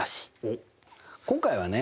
今回はね